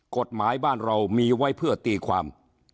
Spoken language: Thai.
กฎหมายบ้านเรามีไว้เพื่อตีความ